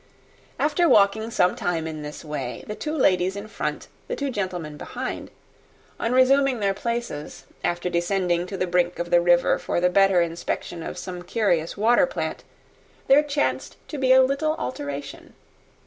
After walking some time in this way, the two ladies in front, the two gentlemen behind, on resuming their places, after descending to the brink of the river for the better inspection of some curious water plant, there chanced to be a little alteration.